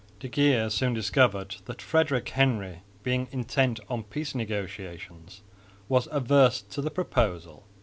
De Geer soon discovered that Frederick Henry, being intent on peace negotiations, was averse to the proposal.